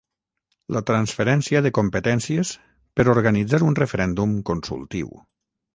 La transferència de competències per organitzar un referèndum consultiu